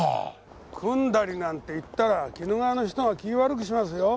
「くんだり」なんて言ったら鬼怒川の人が気悪くしますよ。